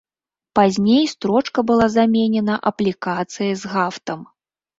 Пазней строчка была заменена аплікацыяй з гафтам.